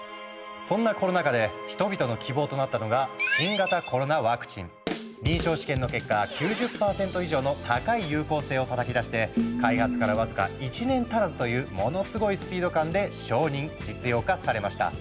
そんなコロナ禍で人々の希望となったのが臨床試験の結果９０％以上の高い有効性をたたき出して開発から僅か１年足らずというものスゴいスピード感で承認実用化されました。